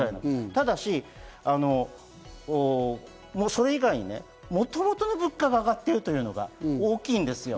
ただし、それ以外にもともとの物価が上がっているというのが大きいんですよ。